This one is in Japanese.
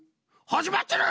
はじまってる！